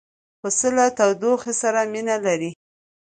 پسه له تودوخې سره مینه لري.